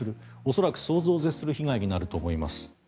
恐らく想像を絶する被害になると思います。